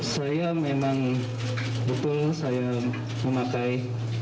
saya memang betul saya memakai